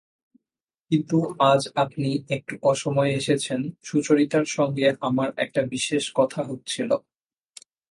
কিন্তু আজ আপনি একটু অসময়ে এসেছেন– সুচরিতার সঙ্গে আমার একটা বিশেষ কথা হচ্ছিল।